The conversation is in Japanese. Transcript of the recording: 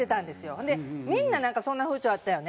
ほんでみんななんかそんな風潮あったよね。